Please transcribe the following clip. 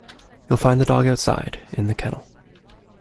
You'll find the dog outside, in the kennel